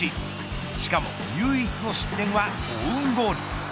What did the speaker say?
しかも唯一の失点はオウンゴール。